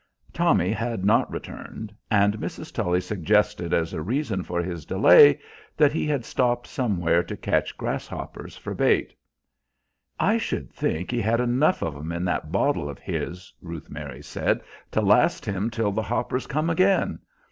Tommy had not returned, and Mrs. Tully suggested as a reason for his delay that he had stopped somewhere to catch grasshoppers for bait. "I should think he had enough of 'em in that bottle of his," Ruth Mary said, "to last him till the 'hoppers come again.